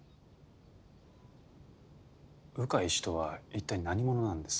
鵜飼氏とは一体何者なんです？